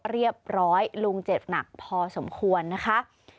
เรียบร้อยลุงเจ็บหนักพอสมควรนะคะ